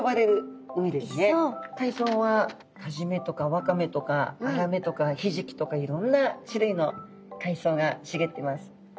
海藻はカジメとかワカメとかアラメとかヒジキとかいろんな種類の海藻がしげってます。